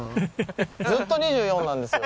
ずっと２４なんですよ。